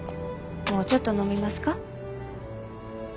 もうちょっと飲みますか？